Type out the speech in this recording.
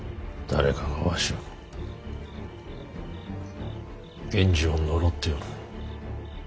誰かがわしを源氏を呪っておる。